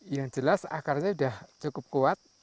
yang jelas akarnya sudah cukup kuat